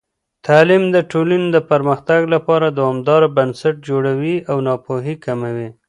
تعلیم د ټولنې د پرمختګ لپاره دوامدار بنسټ جوړوي او ناپوهي کموي.